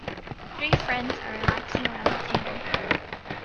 Three friends are relaxing around the table.